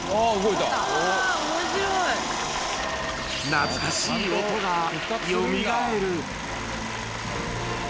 懐かしい音がよみがえる。